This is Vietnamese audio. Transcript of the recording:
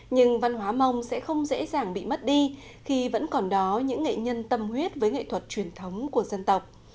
nhưng văn hóa mông sẽ không dễ dàng bị mất đi khi vẫn còn đó những nghệ nhân tâm huyết với nghệ thuật truyền thống của dân tộc